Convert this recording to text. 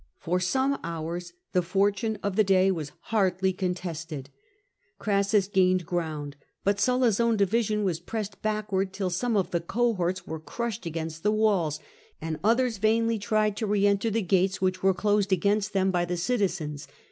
For some hours the fortune of the day was hardly contested : Crassus gained ground, but Sulla's own division was pressed backward, till some of the cohorts were crushed against the walls, and others vainly tried to re enter the gates, which were closed against them by the citizens.